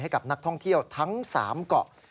ให้กับนักท่องเที่ยวทั้ง๓เกาะ